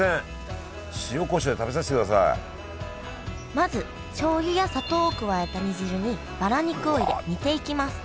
まずしょうゆや砂糖を加えた煮汁にバラ肉を入れ煮ていきます